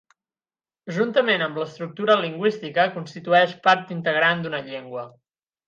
Juntament amb l'estructura lingüística, constitueix part integrant d'una llengua.